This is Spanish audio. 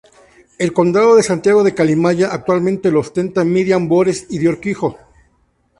El condado de Santiago de Calimaya actualmente lo ostenta Myriam Bores y de Urquijo.